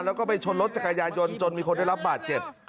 แล้วก็ไปชนรถจักรยายนจนมีคนได้รับบาดเจ็บ